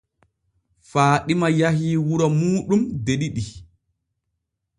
Faaɗima yahii wuro muuɗum de ɗiɗi.